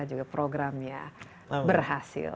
semoga programnya berhasil